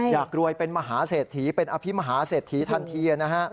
อยากรวยเป็นมหาเศรษฐีเป็นอภิมหาเศรษฐีทันที